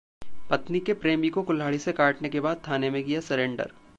पत्नी के प्रेमी को कुल्हाड़ी से काटने के बाद थाने में किया सरेंडर